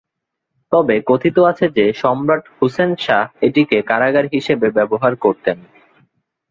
তবে কথিত আছে যে সম্রাট হুসেন শাহ এটিকে কারাগার হিসেবে ব্যবহার করতেন।